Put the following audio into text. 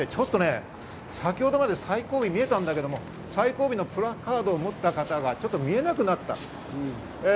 ちょっとね、先ほどまで最後尾が見えたんだけど、最後尾のプラカードを持った方が見えなくなった。